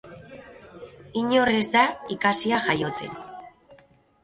Inor ez da ikasia jaiotzen.